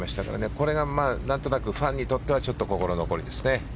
これが何となくファンにとっては心残りですね。